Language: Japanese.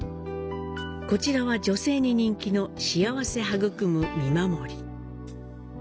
こちらは女性に人気の幸せ育む身まもり。